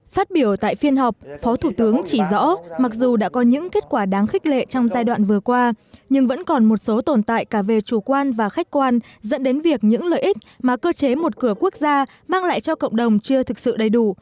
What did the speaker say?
phát biểu tại phiên họp phó thủ tướng chỉ rõ mặc dù đã có những kết quả đáng khích lệ trong giai đoạn vừa qua nhưng vẫn còn một số tồn tại cả về chủ quan và khách quan dẫn đến việc những lợi ích mà cơ chế một cửa quốc gia mang lại cho cộng đồng chưa thực sự đầy đủ